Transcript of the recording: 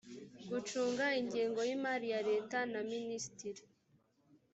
gucunga ingengo y imari ya leta na minisitiri